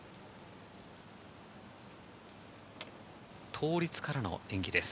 倒立からの演技です。